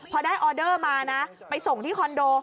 พอได้ออเดอร์มานะไปส่งที่คอนโด